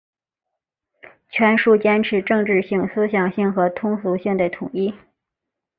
全书坚持政治性、思想性和通俗性的统一